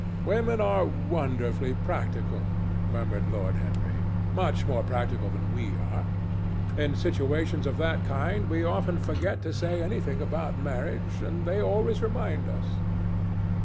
"Women are wonderfully practical," murmured Lord Henry, "much more practical than we are. In situations of that kind we often forget to say anything about marriage, and they always remind us."